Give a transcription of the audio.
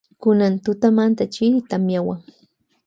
Kunan tutamanta chiri tamiawan.